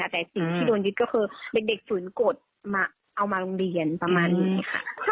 แต่สิ่งที่โดนยึดก็คือเด็กฝืนกฎเอามาโรงเรียนประมาณนี้ค่ะ